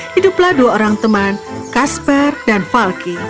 hiduplah dua orang teman kasper dan falky